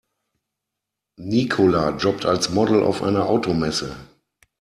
Nicola jobbt als Model auf einer Automesse.